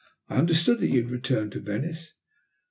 "I understood that you had returned to Venice."